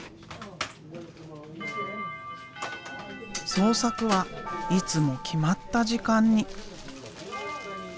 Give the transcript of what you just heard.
創作はいつも決まった時間に。